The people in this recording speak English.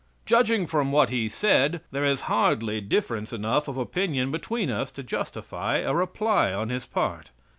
Judging from what he said, there is hardly difference enough of opinion between us to justify a reply on his part.